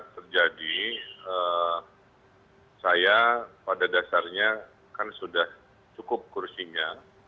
terjadi saya pada dasarnya kan sudah cukup kursinya